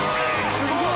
すごい。